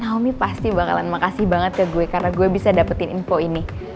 homi pasti bakalan makasih banget ke gue karena gue bisa dapetin info ini